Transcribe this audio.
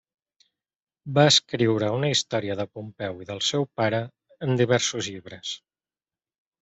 Va escriure una història de Pompeu i del seu pare en diversos llibres.